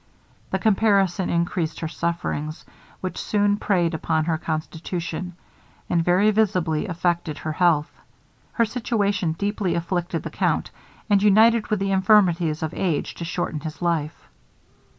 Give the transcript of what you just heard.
The comparison increased her sufferings, which soon preyed upon her constitution, and very visibly affected her health. Her situation deeply afflicted the count, and united with the infirmities of age to shorten his life.